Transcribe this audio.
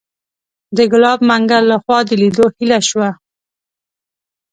د ګلاب منګل لخوا د لیدو هیله شوه.